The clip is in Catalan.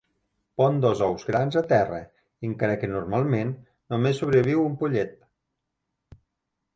Pon dos ous grans a terra, encara que normalment, només sobreviu un pollet.